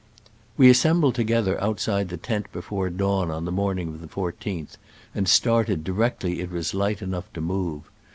We assembled together outside the tent before dawn on the morning of the 14th, and started directly it was light enough to move.